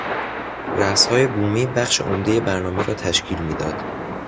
رقصهای بومی بخش عمده برنامه را تشکیل میداد.